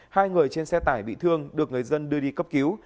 hai người trên xe tải bị thương được người dân đưa đi cấp cứu